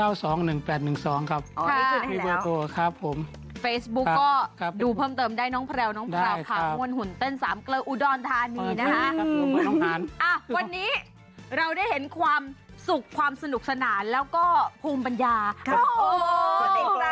วันนี้เราได้เห็นความสุขสนุกสนานและก็ภูมิปัญญากับเขา